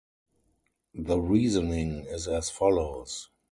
The reasoning is as follows.